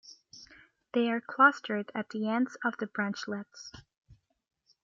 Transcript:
They are clustered at the ends of the branchlets.